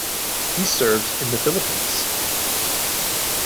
He served in the Philippines.